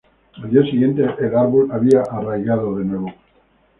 Al día siguiente, el árbol había arraigado de nuevo.